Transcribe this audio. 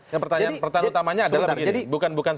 yang pertanyaan utamanya adalah begini